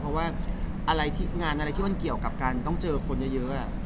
เพราะว่าอะไรงานอะไรที่มันเกี่ยวกับการต้องเจอคนเยอะ